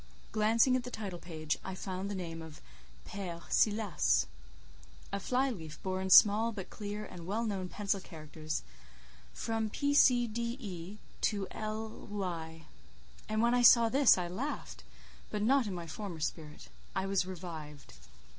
Glancing at the title page, I found the name of "Père Silas." A fly leaf bore in small, but clear and well known pencil characters: "From P. C. D. E. to L—y." And when I saw this I laughed: but not in my former spirit. I was revived.